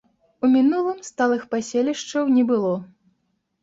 У мінулым сталых паселішчаў не было.